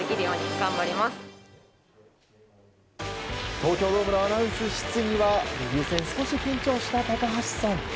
東京ドームのアナウンス室には少し緊張した高橋さん。